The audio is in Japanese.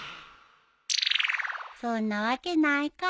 そんなわけないか。